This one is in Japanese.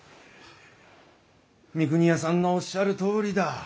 三国屋さんのおっしゃるとおりだ。